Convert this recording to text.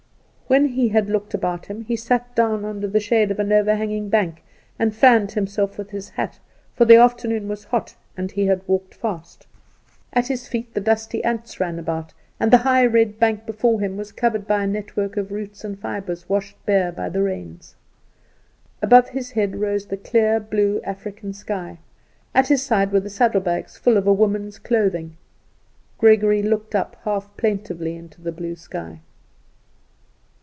When he had looked about him he sat down under the shade of an overhanging bank and fanned himself with his hat, for the afternoon was hot, and he had walked fast. At his feet the dusty ants ran about, and the high red bank before him was covered by a network of roots and fibres washed bare by the rains. Above his head rose the clear blue African sky; at his side were the saddlebags full of women's clothing. Gregory looked up half plaintively into the blue sky.